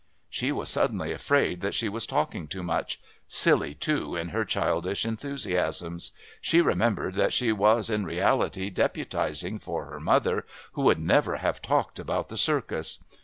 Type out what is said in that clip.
She was suddenly afraid that she was talking too much silly too, in her childish enthusiasms. She remembered that she was in reality deputising for her mother, who would never have talked about the Circus.